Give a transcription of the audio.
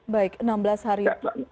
baik enam belas hari